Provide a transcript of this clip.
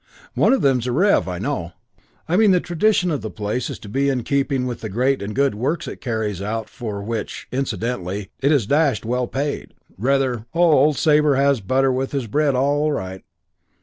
One of them's a 'Rev.', I know. I mean, the tradition of the place is to be in keeping with the great and good works it carries out and for which, incidentally, it is dashed well paid. Rather. Oh, old Sabre has butter with his bread all right....